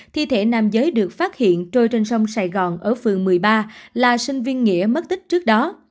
thi thể nam giới được phát hiện trôi trên sông sài gòn ở phường một mươi ba là sinh viên nghĩa mất tích trước đó